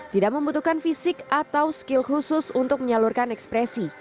tidak membutuhkan fisik atau skill khusus untuk menyalurkan ekspresi